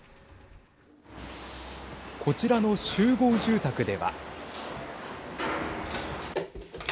こちらの集合住宅では。